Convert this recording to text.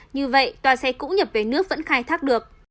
như vậy toà xe cũ nhập về nước vẫn khai thác được